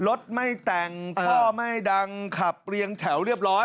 รถไม่แต่งพ่อไม่ดังขับเรียงแถวเรียบร้อย